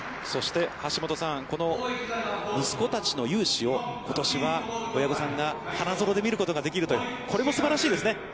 そして橋下さん、この息子たちの雄姿をことしは親御さんが花園で見ることができると、これもすばらしいですね。